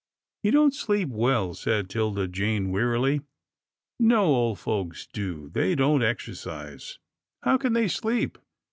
"" He don't sleep well," said 'Tilda Jane, wearily. " No old folks do. They don't exercise. How can they sleep